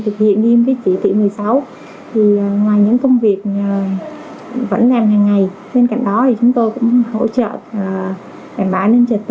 thực hiện nghiêm viết chỉ thị một mươi sáu thì ngoài những công việc vẫn làm hàng ngày bên cạnh đó thì chúng ta cũng có thể tìm hiểu về công tác phòng chống dịch